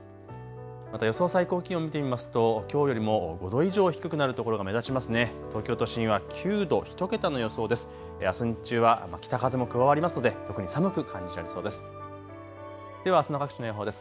また予想最高気温、見てみますときょうよりも５度以上低くなるところが目立ちます。